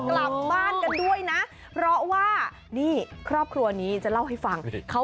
กลับบ้านกันด้วยนะเพราะว่านี่ครอบครัวนี้จะเล่าให้ฟังเขา